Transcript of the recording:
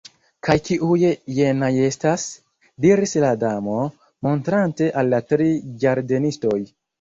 "Kaj kiuj jenaj estas?" diris la Damo, montrante al la tri ĝardenistoj.